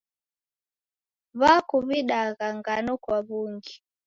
W'akuw'idagha ngano kwa w'ungi.